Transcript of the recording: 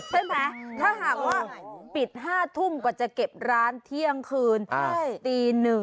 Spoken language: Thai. ใช่ไหมถ้าหากว่าปิด๕ทุ่มกว่าจะเก็บร้านเที่ยงคืนตี๑